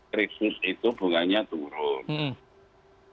christmas itu bunganya turun